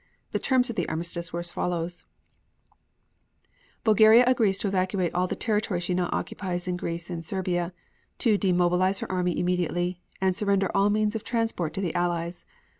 The terms of the armistice were as follows: Bulgaria agrees to evacuate all the territory she now occupies in Greece and Serbia; to demobilize her army immediately and surrender all means of transport to the Allies.